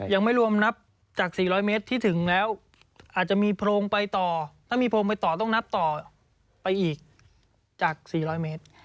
ยังไม่รวมนับจาก๔๐๐เมตรที่ถึงแล้วอาจจะมีโพรงไปต่อถ้ามีโพรงไปต่อต้องนับต่อไปอีกจาก๔๐๐เมตร